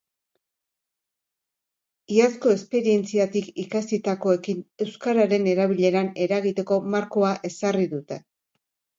Iazko esperientziatik ikasitakoekin euskararen erabileran eragiteko markoa ezarri dute.